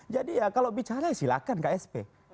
jadi ya kalau bicara silakan ksp